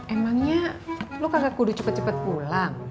emangnya lo kagak kudu cepet cepet pulang